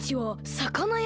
さかなや？